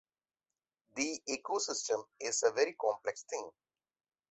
The ecosystem is a very complex thing.